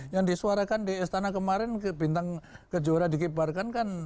yang disuarakan di istana kemarin bintang kejuara dikibarkan kan